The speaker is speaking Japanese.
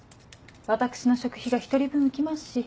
私の食費が１人分浮きますし。